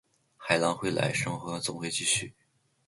海浪会来，生活总会继续